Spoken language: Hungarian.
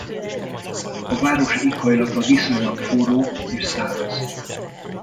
A város éghajlata viszonylag forró és száraz.